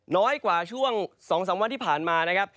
น้อยกว่าช่วง๒๓วันที่ผ่านมานะครับ